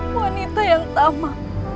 wanita yang tamat